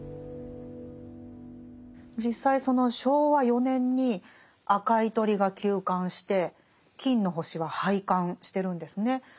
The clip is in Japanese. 実際その昭和４年に「赤い鳥」が休刊して「金の星」は廃刊してるんですね。